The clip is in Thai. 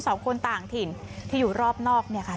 สองคนต่างถิ่นที่อยู่รอบนอกเนี่ยค่ะ